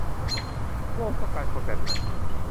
โลกต้องการคนแบบไหน